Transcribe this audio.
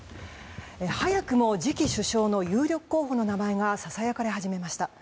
早くも次期首相の有力候補の名前がささやかれ始めました。